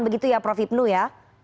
begitu ya prof hipnu ya